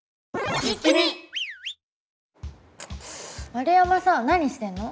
円山さん何してんの？